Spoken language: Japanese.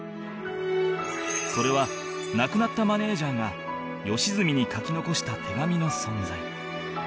それは亡くなったマネージャーが良純に書き残した手紙の存在